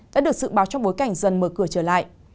đã được dự báo trong bối cảnh dần mở cửa trở lại